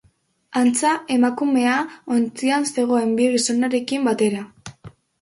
Antza, emakumea ontzian zegoen bi gizonarekin batera.